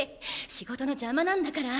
仕事の邪魔なんだから。